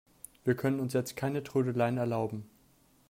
Wir können uns jetzt keine Trödeleien erlauben.